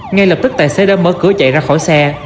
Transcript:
ngay lập tức tài xế đã mở cửa chạy ra khỏi xe